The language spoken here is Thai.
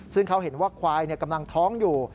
ซึ่งเขาเห็นว่าควายกำลังท้องอยู่